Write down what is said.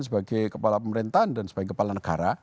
sebagai kepala pemerintahan dan sebagai kepala negara